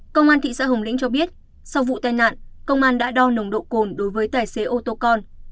công an thị xã hồng lĩnh cho biết sau vụ tai nạn công an đã đo nồng độ cồn đối với tài xế ô tô con